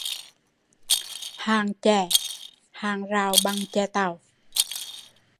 Hàng chè: hàng rào bằng chè tàu